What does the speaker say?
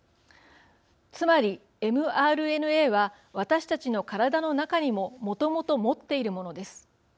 つまり、ｍＲＮＡは私たちの体の中にももともと持っているものです。